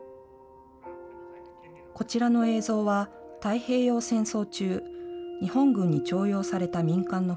こちらの映像は太平洋戦争中日本軍に徴用された民間の船。